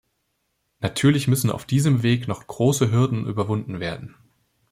Natürlich müssen auf diesem Weg noch große Hürden überwunden werden.